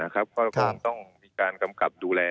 ก็คงต้องมีการกำกับดูแล